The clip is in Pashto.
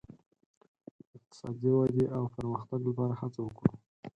د اقتصادي ودې او پرمختګ لپاره هڅه وکړو.